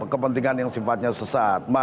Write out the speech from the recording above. kepentingan yang sifatnya sesat